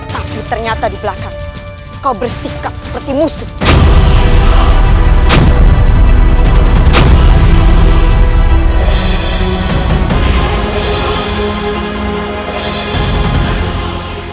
tapi ternyata di belakang kau bersikap seperti musik